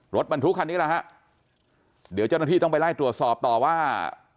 รถบรรทุกคันนี้แหละฮะเดี๋ยวเจ้าหน้าที่ต้องไปไล่ตรวจสอบต่อว่า